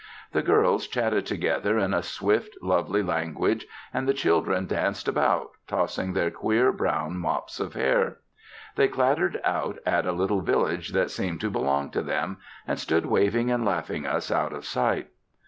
The girls chatted together in a swift, lovely language, and the children danced about, tossing their queer brown mops of hair. They clattered out at a little village that seemed to belong to them, and stood waving and laughing us out of sight.